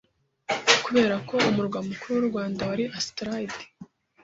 Kubera ko Umurwa Mukuru w’u Rwanda wari Astrida